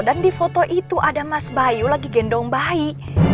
dan di foto itu ada mas bayu lagi gendong bayi